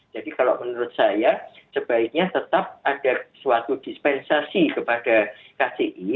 jadi kalau menurut saya sebaiknya tetap ada suatu dispensasi kepada kci